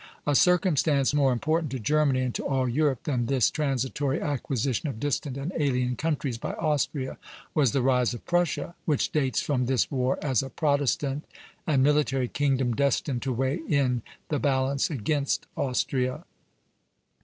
A circumstance more important to Germany and to all Europe than this transitory acquisition of distant and alien countries by Austria was the rise of Prussia, which dates from this war as a Protestant and military kingdom destined to weigh in the balance against Austria.